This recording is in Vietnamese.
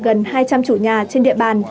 gần hai trăm linh chủ nhà trên địa bàn